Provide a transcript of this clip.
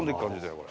これ。